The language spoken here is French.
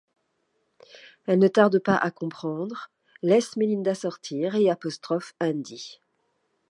Elle ne tarde pas à comprendre, laisse Mélinda sortir, et apostrophe Andy.